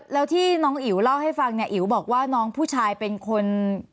แล้วที่น้องอิ๋วเล่าให้ฟังเนี่ยอิ๋วบอกว่าน้องผู้ชายเป็นคน